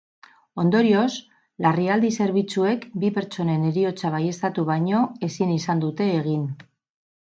Ondorioz, larrialdi zerbitzuek bi pertsonen heriotza baieztatu baino ezin izan dute egin.